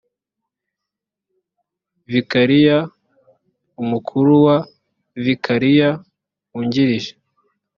vikariya umukuru wa vikariya wungirije